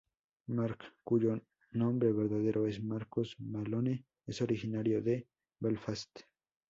Mark, cuyo nombre verdadero es Marcus Malone, es originario de Belfast.